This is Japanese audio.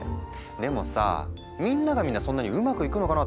でもさみんながみんなそんなにうまくいくのかなって思わない？